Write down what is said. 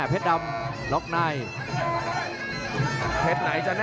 อื้อหือจังหวะขวางแล้วพยายามจะเล่นงานด้วยซอกแต่วงใน